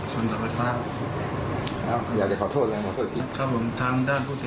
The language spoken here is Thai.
ส่วนจากรถกำลัง